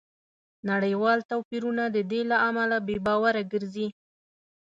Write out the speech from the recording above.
نړیوال توپیرونه د دې له امله بې باوره ګرځي